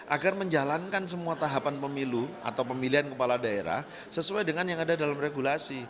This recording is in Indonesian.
agar menjalankan semua tahapan pemilu atau pemilihan kepala daerah sesuai dengan yang ada dalam regulasi